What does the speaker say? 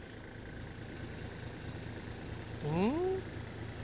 うん？